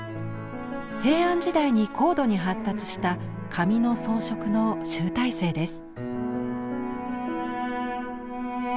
平安時代に高度に発達した紙の装飾の集大成です。